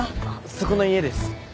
そこの家です。